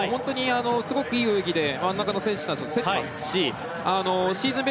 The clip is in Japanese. すごくいい泳ぎで真ん中の選手たちと競っていますしシーズン